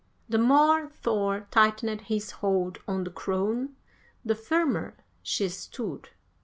The more Thor tightened his hold on the crone the firmer she stood.